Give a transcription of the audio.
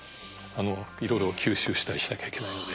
いろいろ吸収したりしなきゃいけないので。